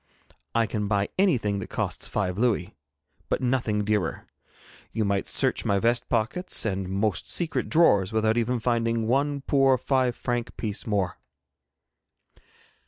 I can buy anything that costs five louis, but nothing dearer. You might search my vest pockets and most secret drawers without even finding one poor five franc piece more.'